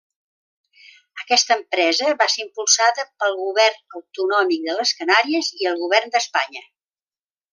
Aquesta empresa va ser impulsada pel govern autonòmic de les Canàries i el govern d'Espanya.